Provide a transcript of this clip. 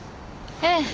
ええ。